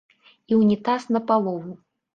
І унітаз на палову.